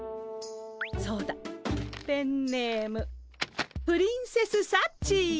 そうだペンネームプリンセスサッチー。